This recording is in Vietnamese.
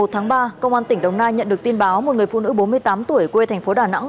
một tháng ba công an tỉnh đồng nai nhận được tin báo một người phụ nữ bốn mươi tám tuổi quê thành phố đà nẵng